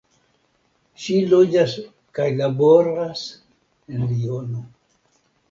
Ŝi loĝas kaj laboras en Liono.